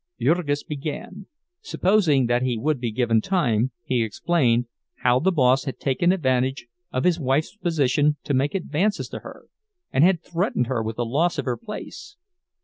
Jurgis began; supposing that he would be given time, he explained how the boss had taken advantage of his wife's position to make advances to her and had threatened her with the loss of her place.